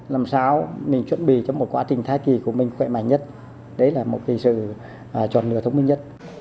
làm sao mình chuẩn bị cho một quá trình thai kỳ của mình khỏe mạnh nhất đấy là một cái sự chuẩn lừa thống minh nhất